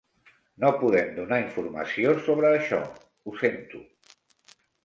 No podem donar informació sobre això, ho sento.